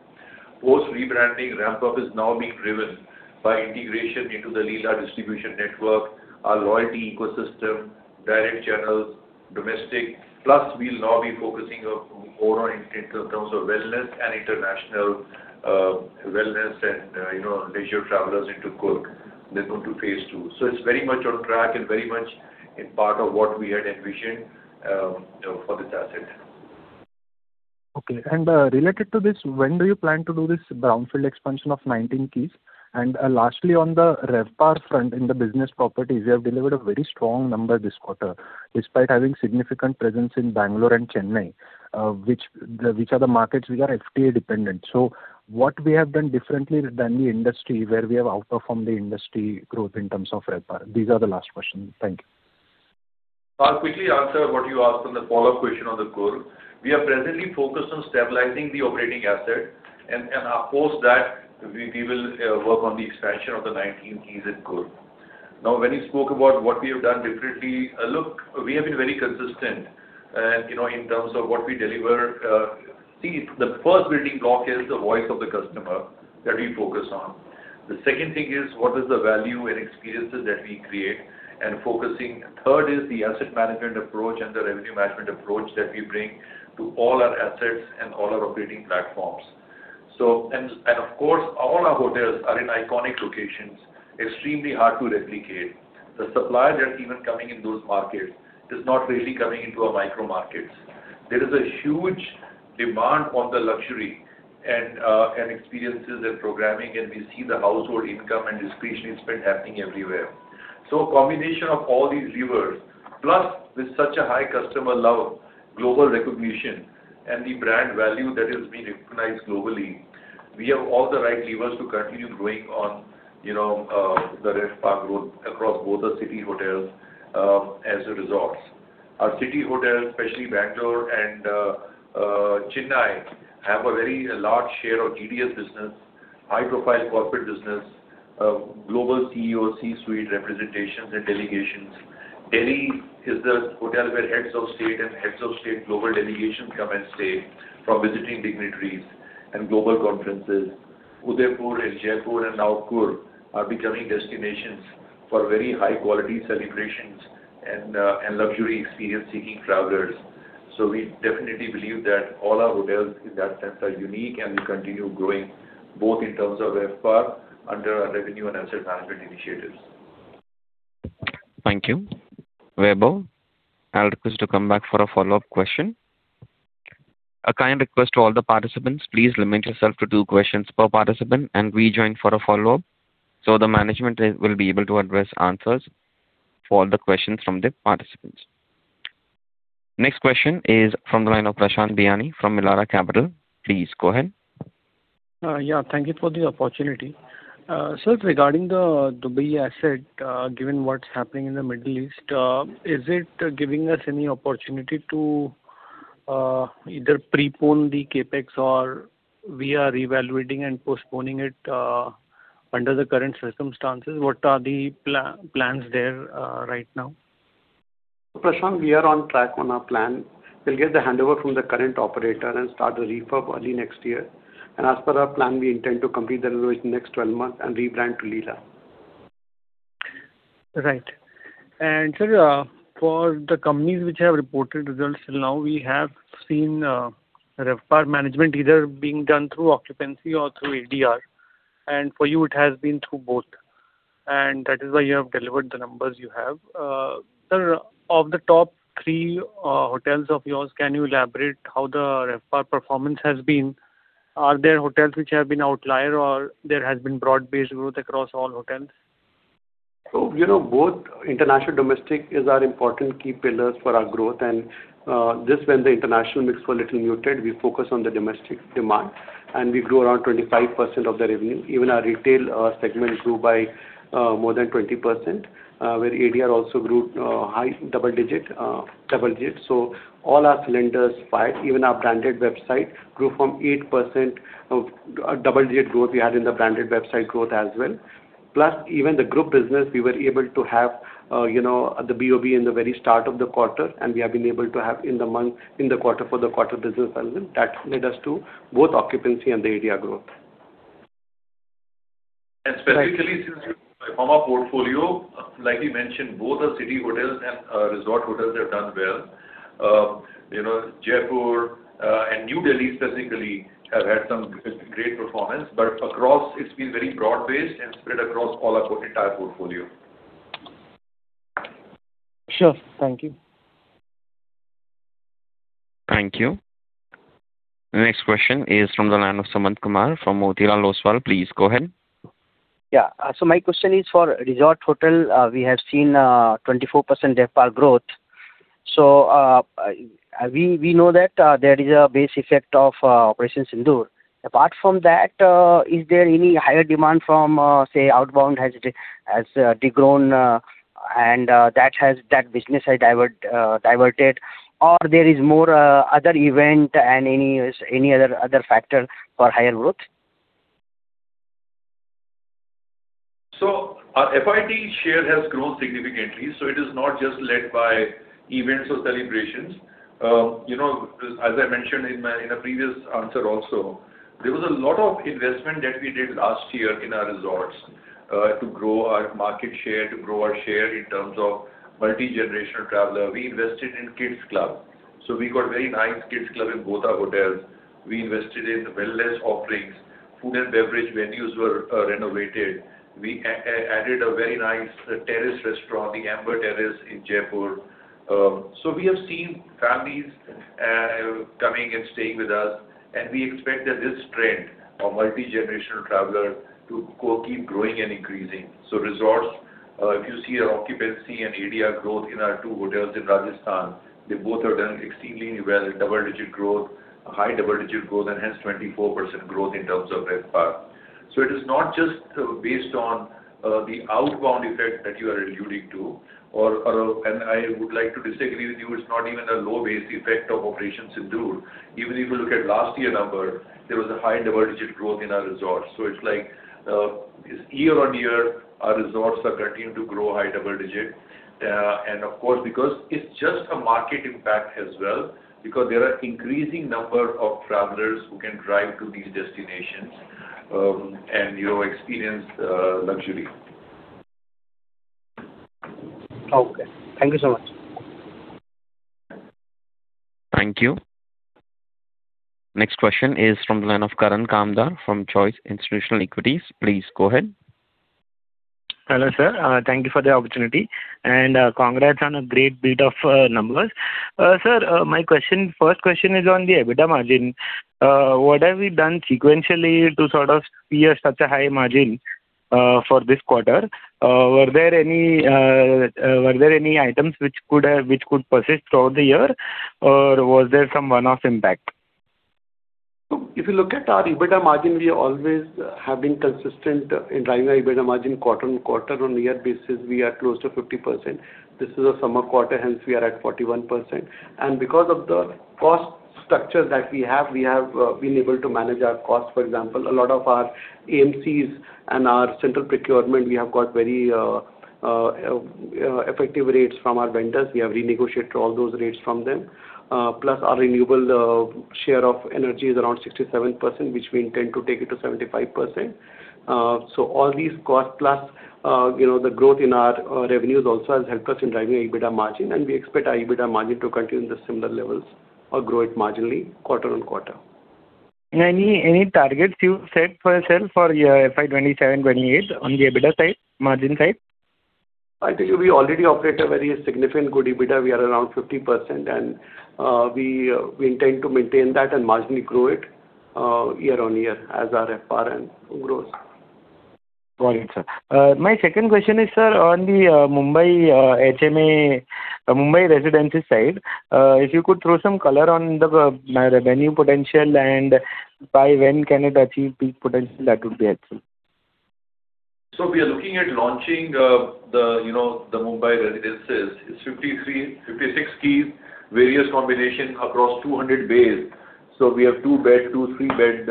Post rebranding ramp-up is now being driven by integration into the Leela distribution network, our loyalty ecosystem, direct channels, domestic. We'll now be focusing more in terms of wellness and international wellness and leisure travelers into Coorg. They go to phase 2. It's very much on track and very much in part of what we had envisioned for the task. Related to this, when do you plan to do this brownfield expansion of 19 keys? Lastly, on the RevPAR front in the business properties, you have delivered a very strong number this quarter, despite having significant presence in Bengaluru and Chennai, which are the markets which are FTO dependent. What we have done differently than the industry where we have outperformed the industry growth in terms of RevPAR? These are the last questions. Thank you. I'll quickly answer what you asked on the follow-up question on the Coorg. We are presently focused on stabilizing the operating asset. Post that, we will work on the expansion of the 19 keys in Coorg. When you spoke about what we have done differently, look, we have been very consistent in terms of what we deliver. See, the first building block is the voice of the customer that we focus on. The second thing is what is the value and experiences that we create and focusing. Third is the asset management approach and the revenue management approach that we bring to all our assets and all our operating platforms. Of course, all our hotels are in iconic locations, extremely hard to replicate. The supply that's even coming in those markets is not really coming into our micro markets. There is a huge demand for the luxury and experiences and programming, and we see the household income and discretionary spend happening everywhere. A combination of all these levers, plus with such a high customer love, global recognition, and the brand value that has been recognized globally, we have all the right levers to continue growing on the RevPAR growth across both the city hotels as the resorts. Our city hotels, especially Bengaluru and Chennai, have a very large share of GDS business, high-profile corporate business, global CEO/C-suite representations and delegations. Delhi is the hotel where heads of state and heads of state global delegations come and stay for visiting dignitaries and global conferences. Udaipur and Jaipur and now Coorg are becoming destinations for very high-quality celebrations and luxury experience-seeking travelers. We definitely believe that all our hotels in that sense are unique, and we continue growing both in terms of RevPAR under our revenue and asset management initiatives. Thank you. Vaibhav, I'll request you to come back for a follow-up question. A kind request to all the participants. Please limit yourself to two questions per participant and rejoin for a follow-up, so the management will be able to address answers for all the questions from the participants. Next question is from the line of Prashant Biyani from Elara Capital. Please go ahead. Yeah, thank you for the opportunity. Sir, regarding the Dubai asset, given what's happening in the Middle East, is it giving us any opportunity to either prepone the CapEx or we are evaluating and postponing it under the current circumstances? What are the plans there right now? Prashant, we are on track on our plan. We'll get the handover from the current operator and start the refurb early next year. As per our plan, we intend to complete the renovation in the next 12 months and rebrand to Leela. Right. Sir, for the companies which have reported results till now, we have seen RevPAR management either being done through occupancy or through ADR, and for you it has been through both, and that is why you have delivered the numbers you have. Sir, of the top three hotels of yours, can you elaborate how the RevPAR performance has been? Are there hotels which have been outlier or there has been broad-based growth across all hotels? Both international domestic is our important key pillars for our growth and just when the international mix was little muted, we focused on the domestic demand and we grew around 25% of the revenue. Even our retail segment grew by more than 20%, where ADR also grew high double-digit. All our cylinders fired. Even our branded website grew from 8% of double-digit growth we had in the branded website growth as well. Even the group business, we were able to have the BoB in the very start of the quarter, and we have been able to have in the month, for the quarter business as well. That led us to both occupancy and the ADR growth. Specifically since you Right. from our portfolio, like we mentioned, both our city hotels and our resort hotels have done well. Jaipur and New Delhi specifically have had some great performance. Across, it's been very broad-based and spread across all our entire portfolio. Sure. Thank you. Thank you. The next question is from the line of Sumant Kumar from Motilal Oswal. Please go ahead. Yeah. My question is for resort hotel. We have seen a 24% RevPAR growth. We know that there is a base effect of Operation Sindoor. Apart from that, is there any higher demand from, say, outbound has de-grown and that business has diverted, or there is more other event and any other factor for higher growth? Our FIT share has grown significantly. It is not just led by events or celebrations. As I mentioned in a previous answer also, there was a lot of investment that we did last year in our resorts to grow our market share, to grow our share in terms of multi-generational traveler. We invested in kids club. We got very nice kids club in both our hotels. We invested in wellness offerings. Food and beverage venues were renovated. We added a very nice terrace restaurant, The Amber Terrace in Jaipur. We have seen families coming and staying with us, and we expect that this trend of multi-generational travelers to keep growing and increasing. Resorts, if you see our occupancy and ADR growth in our two hotels in Rajasthan, they both have done extremely well in high double-digit growth, and hence 24% growth in terms of RevPAR. It is not just based on the outbound effect that you are alluding to. I would like to disagree with you, it is not even a low base effect of Operation Sindoor. Even if you look at last year's numbers, there was a high double-digit growth in our resorts. It is like year-on-year, our resorts are continuing to grow high double digits. Of course, because it is just a market impact as well, because there are increasing number of travelers who can drive to these destinations, and experience luxury. Okay. Thank you so much. Thank you. Next question is from the line of Karan Kamdar from Choice Institutional Equities. Please go ahead. Hello, sir. Thank you for the opportunity. Congrats on a great beat of numbers. Sir, my first question is on the EBITDA margin. What have we done sequentially to sort of see such a high margin for this quarter? Were there any items which could persist throughout the year, or was there some one-off impact? If you look at our EBITDA margin, we always have been consistent in driving our EBITDA margin quarter-on-quarter. On year basis, we are close to 50%. This is a summer quarter, hence we are at 41%. Because of the cost structure that we have, we have been able to manage our costs. For example, a lot of our AMCs and our central procurement, we have got very effective rates from our vendors. We have renegotiated all those rates from them. Our renewable share of energy is around 67%, which we intend to take it to 75%. All these costs plus the growth in our revenues also has helped us in driving EBITDA margin, and we expect our EBITDA margin to continue the similar levels or grow it marginally quarter-on-quarter. Any targets you've set for yourself for FY 2027, FY 2028 on the EBITDA margin side? I think we already operate a very significant good EBITDA. We are around 50%, and we intend to maintain that and marginally grow it year-on-year as our ADR grows. Got it, sir. My second question is, sir, on the Mumbai HMA Mumbai residency side. If you could throw some color on the revenue potential and by when can it achieve peak potential, that would be helpful. We are looking at launching the Mumbai residences. It is 56 keys, various combinations across 200 bays. We have two-bed, three-bed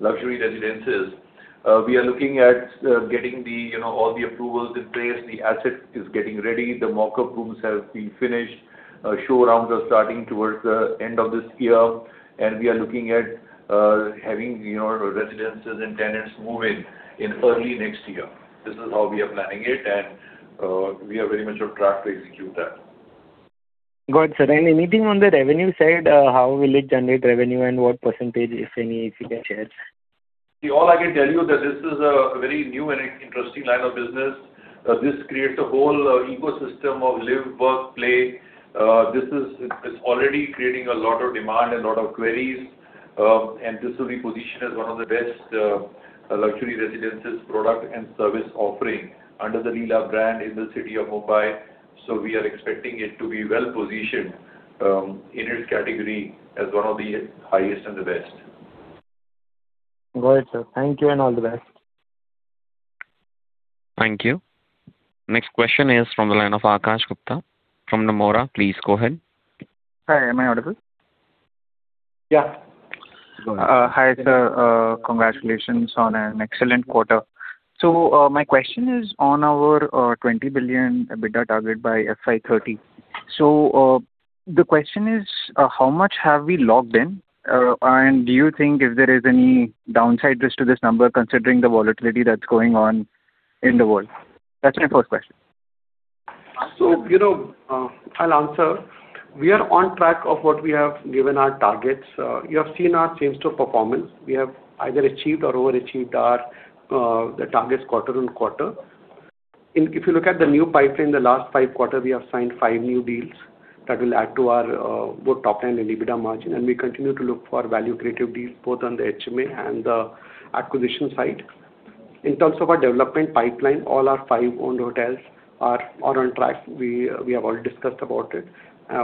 luxury residences. We are looking at getting all the approvals in place. The asset is getting ready. The mock-up rooms have been finished. Show rounds are starting towards the end of this year, and we are looking at having residences and tenants move in in early next year. This is how we are planning it, and we are very much on track to execute that. Got it, sir. Anything on the revenue side? How will it generate revenue, and what percentage, if any, if you can share? All I can tell you is that this is a very new and interesting line of business. This creates a whole ecosystem of live, work, play. This is already creating a lot of demand and a lot of queries. This will be positioned as one of the best luxury residences product and service offering under the Leela brand in the city of Mumbai. We are expecting it to be well-positioned in its category as one of the highest and the best. Got it, sir. Thank you and all the best. Thank you. Next question is from the line of Akash Gupta from Nomura. Please go ahead. Hi, am I audible? Yeah. Hi, sir. Congratulations on an excellent quarter. My question is on our 20 billion EBITDA target by FY 2030. The question is, how much have we logged in? Do you think if there is any downside risk to this number, considering the volatility that's going on in the world? That's my first question. I'll answer. We are on track of what we have given our targets. You have seen our same-store performance. We have either achieved or overachieved the targets quarter-on-quarter. You look at the new pipeline, the last five quarters, we have signed five new deals that will add to our both top line and EBITDA margin, and we continue to look for value creative deals both on the HMA and the acquisition side. Terms of our development pipeline, all our five owned hotels are on track. We have all discussed about it.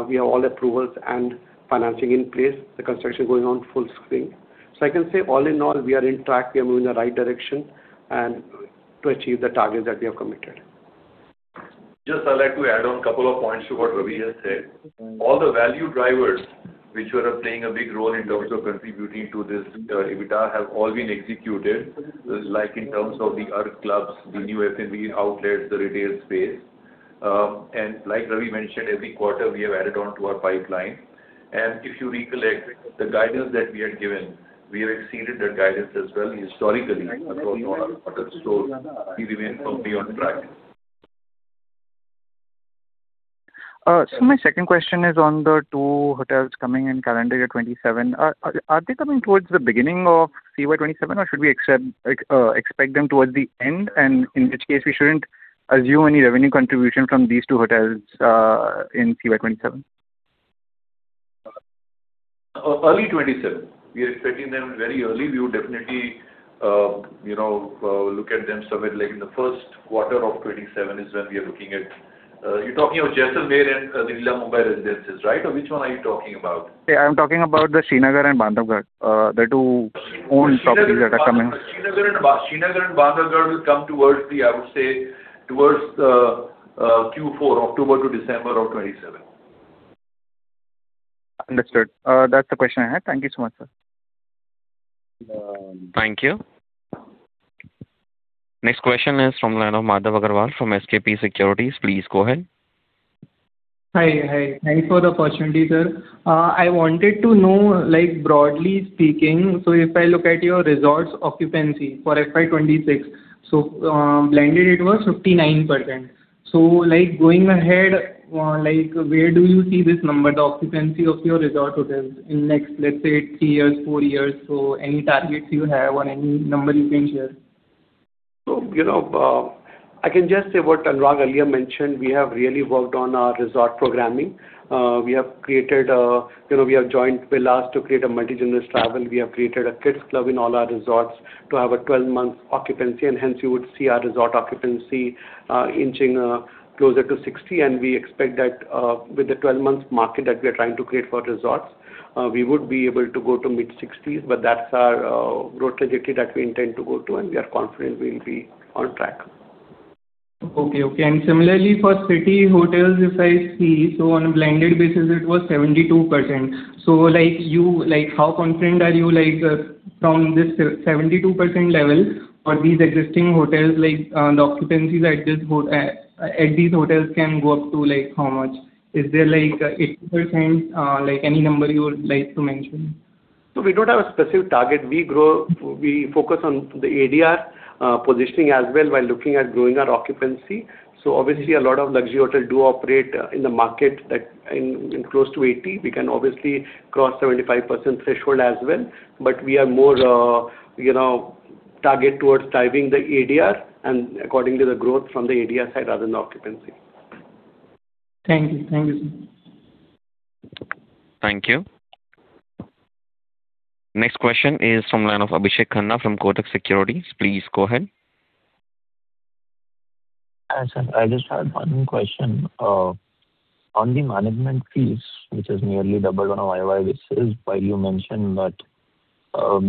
We have all approvals and financing in place, the construction going on full swing. I can say all in all, we are in track. We are moving in the right direction to achieve the targets that we have committed. Just I'd like to add on a couple of points to what Ravi has said. All the value drivers which were playing a big role in terms of contributing to this EBITDA have all been executed, like in terms of the ARQ clubs, the new F&B outlets, the retail space. Like Ravi mentioned, every quarter we have added on to our pipeline. If you recollect the guidance that we had given, we have exceeded that guidance as well historically across all our stores. We remain firmly on track. My second question is on the two hotels coming in calendar year 2027. Are they coming towards the beginning of CY 2027, or should we expect them towards the end? In which case we shouldn't assume any revenue contribution from these two hotels in CY 2027. Early 2027. We are expecting them very early. We would definitely look at them somewhere in the first quarter of 2027 is when we are looking at. You're talking of Jaisalmer and The Leela Mumbai Residences, right? Which one are you talking about? I'm talking about the Srinagar and Bandhavgarh, the two owned properties that are coming. Srinagar and Bandhavgarh will come towards Q4, October to December of 2027. Understood. That's the question I had. Thank you so much, sir. Thank you. Next question is from the line of Madhav Jhawar from SKP Securities. Please go ahead. Hi. Thank you for the opportunity, sir. I wanted to know, broadly speaking, if I look at your resorts occupancy for FY 2026, blended it was 59%. Going ahead, where do you see this number, the occupancy of your resort hotels in the next, let's say, three years, four years? Any targets you have or any number you can share? I can just say what Anuraag earlier mentioned, we have really worked on our resort programming. We have joined villas to create a multi-gen travel. We have created a kids club in all our resorts to have a 12-month occupancy, and hence you would see our resort occupancy inching closer to 60, and we expect that with the 12-month market that we are trying to create for resorts, we would be able to go to mid-60s. That's our growth trajectory that we intend to go to, and we are confident we'll be on track. Okay. Similarly for city hotels, if I see, on a blended basis, it was 72%. How confident are you from this 72% level for these existing hotels? The occupancies at these hotels can go up to how much? Is there 80%? Any number you would like to mention? We don't have a specific target. We focus on the ADR positioning as well while looking at growing our occupancy. Obviously a lot of luxury hotels do operate in the market in close to 80. We can obviously cross 75% threshold as well, we are more targeted towards driving the ADR and accordingly the growth from the ADR side rather than the occupancy. Thank you, sir. Thank you. Next question is from the line of Abhishek Khanna from Kotak Securities. Please go ahead. Hi, sir. I just had one question. On the management fees, which has nearly doubled on a year-over-year basis, while you mentioned that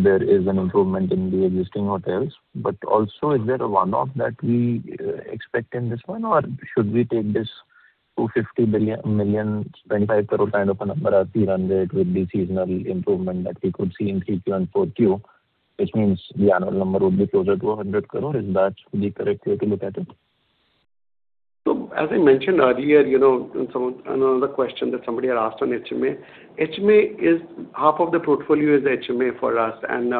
there is an improvement in the existing hotels. Also is there a one-off that we expect in this one? Or should we take this 250 million, 25 crore kind of a number as we run it with the seasonal improvement that we could see in 3Q and 4Q, which means the annual number would be closer to 100 crore? Is that the correct way to look at it? As I mentioned earlier in some another question that somebody had asked on HMA. Half of the portfolio is HMA for us, and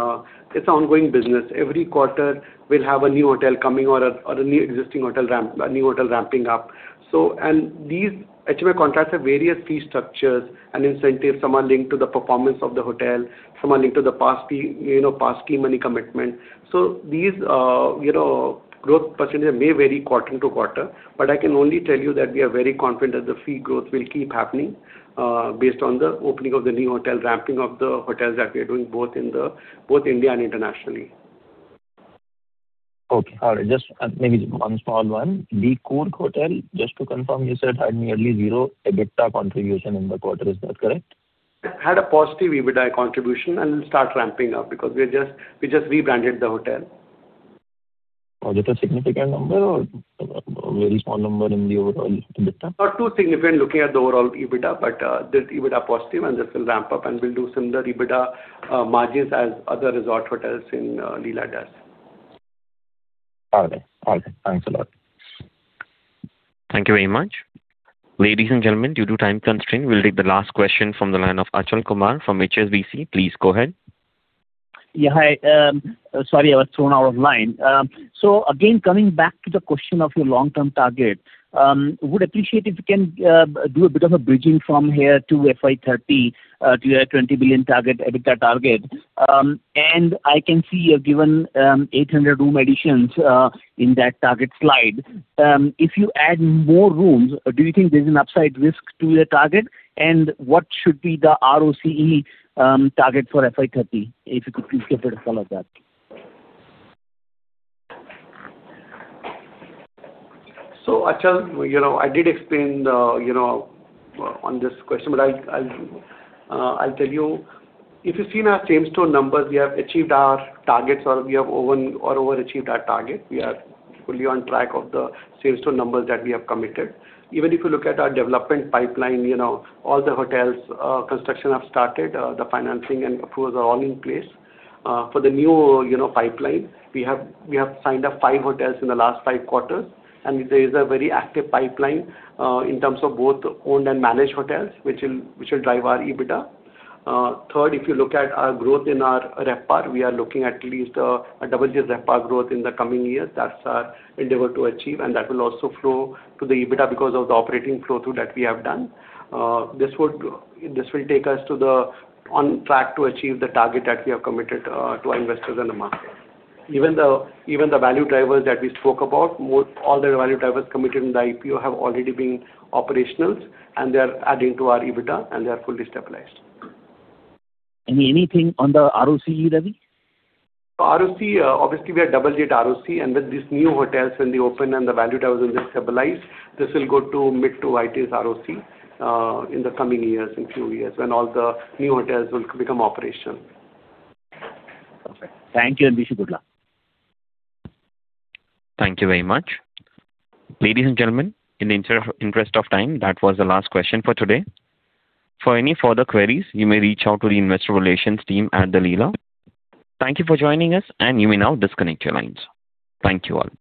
it is ongoing business. Every quarter we will have a new hotel coming or a new existing hotel ramping up. These HMA contracts have various fee structures and incentives. Some are linked to the performance of the hotel, some are linked to the past scheme money commitment. These growth percentages may vary quarter into quarter, but I can only tell you that we are very confident that the fee growth will keep happening based on the opening of the new hotel, ramping of the hotels that we are doing, both India and internationally. Okay. All right. Just maybe one small one. The Coorg hotel, just to confirm, you said had nearly zero EBITDA contribution in the quarter. Is that correct? Had a positive EBITDA contribution and will start ramping up because we just rebranded the hotel. Is it a significant number or very small number in the overall EBITDA? Not too significant looking at the overall EBITDA, but there's EBITDA positive and this will ramp up and will do similar EBITDA margins as other resort hotels in Leela does. All right. Thanks a lot. Thank you very much. Ladies and gentlemen, due to time constraint, we will take the last question from the line of Achal Kumar from HSBC. Please go ahead. Hi. Sorry, I was thrown out of line. Again, coming back to the question of your long-term target, would appreciate if you can do a bit of a bridging from here to FY 2030 to your 20 billion EBITDA target. I can see you have given 800 room additions in that target slide. If you add more rooms, do you think there is an upside risk to your target? What should be the ROCE target for FY 2030? If you could please give a bit of color there. Achal, I did explain on this question, I will tell you, if you have seen our same store numbers, we have achieved our targets or we have over achieved our target. We are fully on track of the same store numbers that we have committed. Even if you look at our development pipeline, all the hotels construction have started, the financing and approvals are all in place. For the new pipeline, we have signed up five hotels in the last five quarters, there is a very active pipeline, in terms of both owned and managed hotels, which will drive our EBITDA. Third, if you look at our growth in our RevPAR, we are looking at least a double digit RevPAR growth in the coming years. That is our endeavor to achieve, that will also flow to the EBITDA because of the operating flow-through that we have done. This will take us on track to achieve the target that we have committed to our investors and the market. Even the value drivers that we spoke about, all the value drivers committed in the IPO have already been operational, they are adding to our EBITDA, they are fully stabilized. Anything on the ROCE, Ravi? ROCE, obviously we are double-digit ROCE, and with these new hotels when they open and the value drivers will be stabilized, this will go to mid to high-teens ROCE in the coming years, in two years, when all the new hotels will become operational. Perfect. Thank you, and wish you good luck. Thank you very much. Ladies and gentlemen, in the interest of time, that was the last question for today. For any further queries, you may reach out to the investor relations team at The Leela. Thank you for joining us, and you may now disconnect your lines. Thank you all.